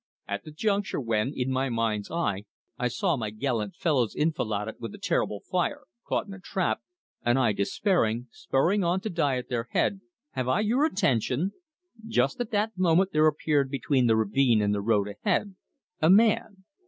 "At the juncture when, in my mind's eye, I saw my gallant fellows enfiladed with a terrible fire, caught in a trap, and I, despairing, spurring on to die at their head have I your attention? just at that moment there appeared between the ravine and the road ahead a man.